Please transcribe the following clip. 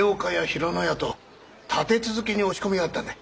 平野屋と立て続けに押し込みがあったんだ。